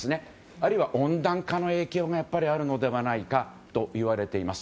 あるいは温暖化の影響もあるのではないかといわれています。